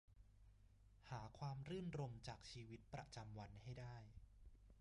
หาความรื่นรมย์จากชีวิตประจำวันให้ได้